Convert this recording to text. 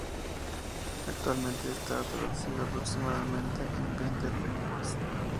Actualmente está traducido aproximadamente en veinte lenguas.